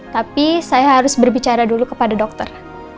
tapi saya harus berbicara dulu kepada dokter